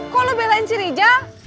kok lo belain si rizal